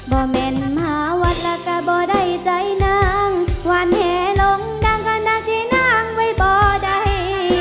บ่แม่นมหาวัดละกะบ่ได้ใจนั้งหวานแหลงดังขนาดที่นั้งไว้บ่ได้